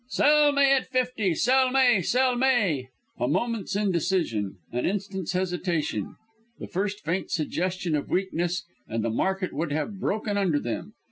"Sell May at 'fifty; sell May; sell May." A moment's indecision, an instant's hesitation, the first faint suggestion of weakness, and the market would have broken under them.